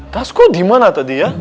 tasku dimana tadi ya